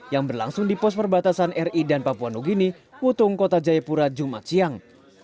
yang berlangsung di pos perbatasan ri dan papua nugini wutung kota jayapura jumat siang